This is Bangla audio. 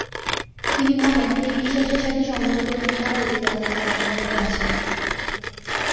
তিনি ভাবেন, এই বিশ্বাসের সাথে সম্ভবত কোন প্রাকৃতিক বাস্তবতার সম্পর্ক আছে।